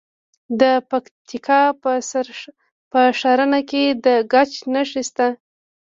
د پکتیکا په ښرنه کې د ګچ نښې شته.